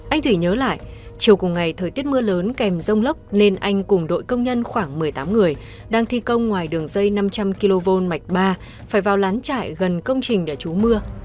anh thủy nhớ lại chiều cùng ngày thời tiết mưa lớn kèm rông lốc nên anh cùng đội công nhân khoảng một mươi tám người đang thi công ngoài đường dây năm trăm linh kv mạch ba phải vào lán trại gần công trình đã trú mưa